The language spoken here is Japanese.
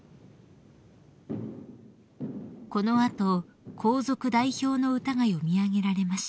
［この後皇族代表の歌が詠み上げられました］